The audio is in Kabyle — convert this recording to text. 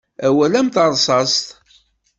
Awal am terṣṣaṣt.